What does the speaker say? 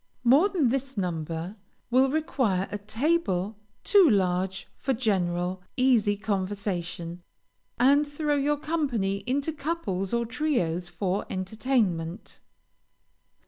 More than this number will require a table too large for general, easy conversation, and throw your company into couples or trios, for entertainment.